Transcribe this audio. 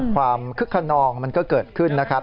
ความคึ้กขนองก็เกิดขึ้นครับ